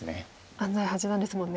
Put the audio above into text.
安斎八段ですもんね。